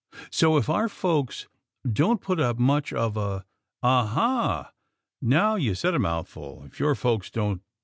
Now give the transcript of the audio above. _ So, if our folks don't put up too much of a " "Aha!! Now you said a mouthful; if your folks _don't!